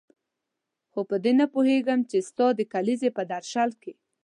خو په دې نه پوهېږم چې ستا د کلیزې په درشل کې.